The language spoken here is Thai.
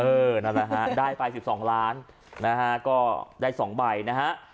นั่นแหละฮะได้ไป๑๒ล้านนะฮะก็ได้๒ใบนะฮะ